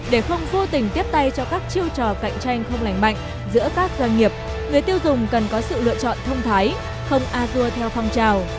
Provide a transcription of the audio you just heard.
để không vô tình tiếp tay cho các chiêu trò cạnh tranh không lành mạnh giữa các doanh nghiệp người tiêu dùng cần có sự lựa chọn thông thái không a dua theo phong trào